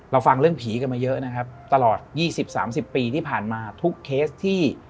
ฟังเรื่องผีกันมาเยอะนะครับตลอด๒๐๓๐ปีที่ผ่านมาทุกเคสที่